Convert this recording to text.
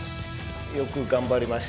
よく頑張りました。